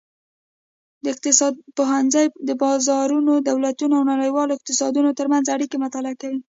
د اقتصاد پوهنځی د بازارونو، دولتونو او نړیوالو اقتصادونو ترمنځ اړیکې مطالعه کوي.